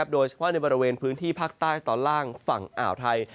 โดยเฉพาะในบริเวณพื้นที่ภาคใต้ตอนล่างฝั่งอ่าวไทย